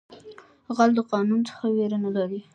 غل د قانون څخه ویره نه لري